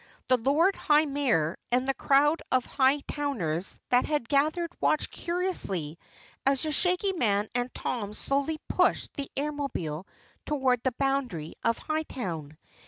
The Lord High Mayor and the crowd of Hightowners that had gathered watched curiously as the Shaggy Man and Tom slowly pushed the Airmobile toward the boundary of Hightown.